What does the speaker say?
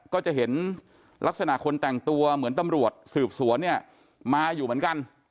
ก็จะเห็นลักษณะคนแต่งตัวเหมือนตำรวจสืบสวนเนี่ยมาอยู่เหมือนกัน